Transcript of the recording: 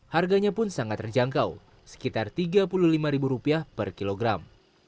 harganya pun sangat terjangkau sekitar rp tiga puluh lima per kilogram